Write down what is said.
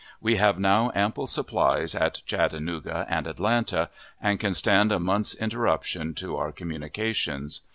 We have now ample supplies at Chattanooga and Atlanta, and can stand a month's interruption to our communications.